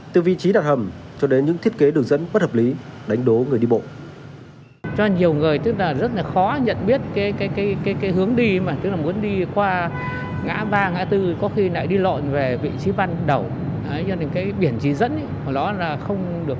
từ vị trí đặt hầm cho đến những thiết kế đường dẫn bất hợp lý đánh đố người đi bộ